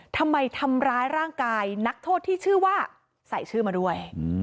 ทำร้ายร่างกายนักโทษที่ชื่อว่าใส่ชื่อมาด้วย